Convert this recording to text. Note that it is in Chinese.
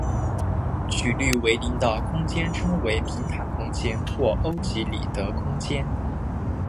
曲率为零的空间称为平坦空间或欧几里得空间。